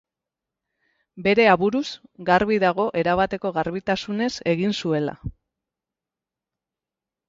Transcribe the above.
Bere aburuz, garbi dago erabateko garbitasunez egin zuela.